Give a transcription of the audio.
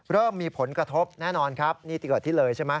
เริ่มมีผลกระทบแน่นอนครับนี่ที่เกิดที่เลยใช่ไหม